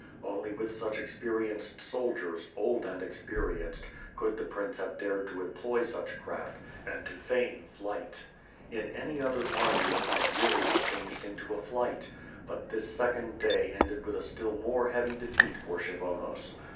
Only with such experienced soldiers, old and experienced, could the prince have dared to employ such craft, and to feign fight. In any other army, it might really have changed into a flight. But this second day ended with a still more heavy defeat for Kshyvonos.